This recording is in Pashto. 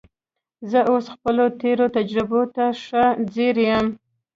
زه اوس خپلو تېرو تجربو ته ښه ځیر یم